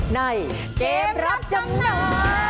ในเกมรับจำนำ